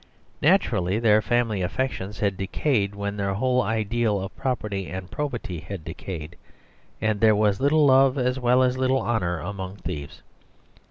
Naturally their family affections had decayed when their whole ideal of property and probity had decayed; and there was little love as well as little honour among thieves.